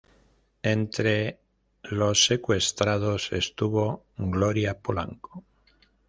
Entre los secuestrados estuvo Gloria Polanco.